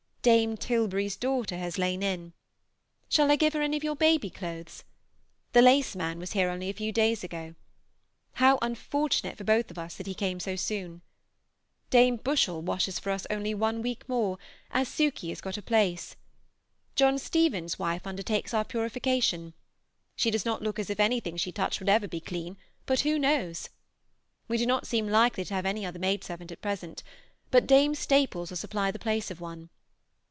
Dame Tilbury's daughter has lain in. Shall I give her any of your baby clothes? The laceman was here only a few days ago. How unfortunate for both of us that he came so soon! Dame Bushell washes for us only one week more, as Sukey has got a place. John Steevens' wife undertakes our purification. She does not look as if anything she touched would ever be clean, but who knows? We do not seem likely to have any other maidservant at present, but Dame Staples will supply the place of one.